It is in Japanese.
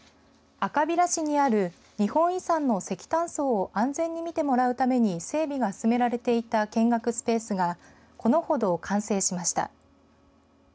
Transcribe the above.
赤平市にある日本遺産の石炭層を安全に見てもらうために整備が進められていた見学スペースがこのほど完成しました。